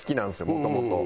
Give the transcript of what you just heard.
もともと。